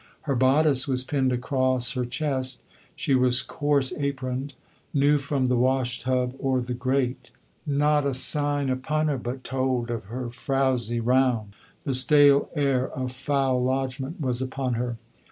Her bodice was pinned across her chest; she was coarse aproned, new from the wash tub or the grate. Not a sign upon her but told of her frowsy round. The stale air of foul lodgment was upon her.